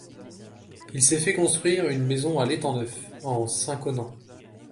Il s'est fait construire une maison à l'Étang-Neuf, en Saint-Connan.